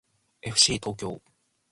えふしー東京